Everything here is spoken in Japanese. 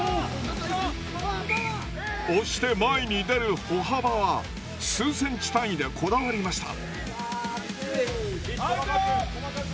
押して前に出る歩幅は数ｃｍ単位でこだわりました。